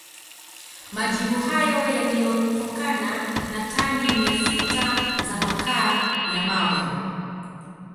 Majivu hayo yaliyotokana na tani mia sita za makaa ya mawe